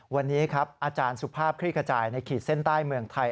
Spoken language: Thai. วันนี้ครับอาจารย์สุภาพคลี่ขจายในขีดเส้นใต้เมืองไทย